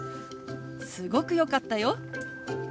「すごく良かったよ」。